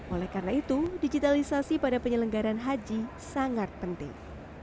oleh karena itu digitalisasi pada penyelenggaran haji sangat penting